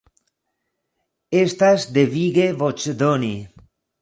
Estas devige voĉdoni.